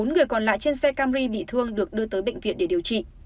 bốn người còn lại trên xe camry bị thương được đưa tới bệnh viện để điều trị